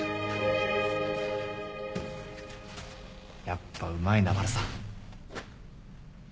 やっぱうまいなまるさん。